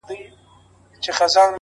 د غيږي د خوشبو وږم له مياشتو حيسيږي _